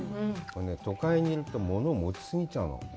都会にいると、物を持ちすぎちゃうの。